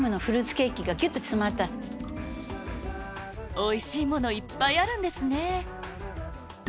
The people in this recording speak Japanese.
おいしいものいっぱいあるんですね！と